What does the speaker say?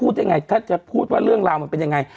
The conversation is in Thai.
ยังไงถ้าจะพูดว่าเรื่องราวมันเป็นยังไง